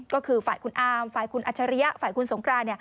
ก็คือฝ่ายคุณอามฝ่ายคุณอัจฉริยะฝ่ายคุณสงคราน